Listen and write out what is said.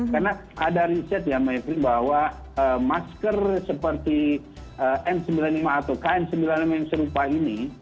karena ada riset yang meyakini bahwa masker seperti n sembilan puluh lima atau kn sembilan puluh lima yang serupa ini